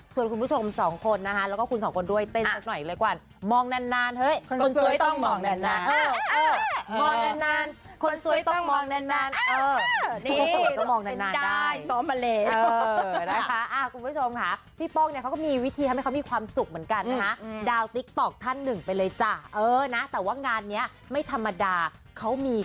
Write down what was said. ส่วนคุณผู้ชมสองคนนะฮะแล้วก็คุณสองคนด้วยเต้นสักหน่อยเลยก่อน